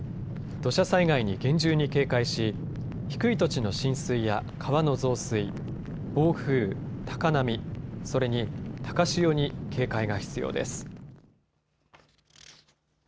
土砂災害に厳重に警戒し、低い土地の浸水や川の増水、暴風、高波、それに高潮に警戒が必要です。